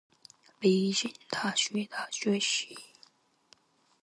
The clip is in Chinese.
北京爷，就是爷！